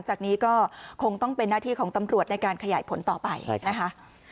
จากนี้ก็คงต้องเป็นหน้าที่ของตำรวจในการขยายผลต่อไปนะคะ